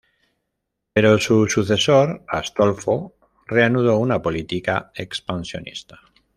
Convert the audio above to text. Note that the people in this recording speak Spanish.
Pero su sucesor Astolfo reanudó una política expansionista.